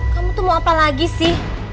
kamu tuh mau apa lagi sih